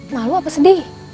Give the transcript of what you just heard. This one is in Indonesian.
malu apa sedih